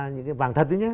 những cái vàng thật đấy nhé